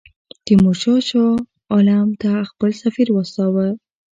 تیمورشاه شاه عالم ته خپل سفیر واستاوه.